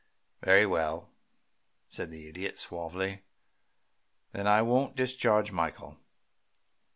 "Very well," said the Idiot, suavely. "Then I won't discharge Michael.